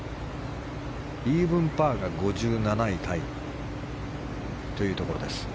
イーブンパーが５７位タイというところです。